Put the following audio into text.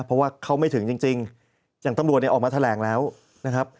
เพราะว่าเข้าไม่ถึงจริงอย่างตำรวจเนี่ยออกมาแถลงแล้วนะครับ